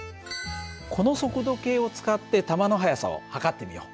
この速度計を使って弾の速さを測ってみよう。